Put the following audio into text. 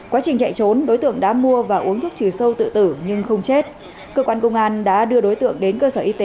quá trình chạy trốn đối tượng đã mua và uống thuốc trừ sâu tự tử nhưng không chết cơ quan công an đã đưa đối tượng đến cơ sở y tế để kiểm tra sức khỏe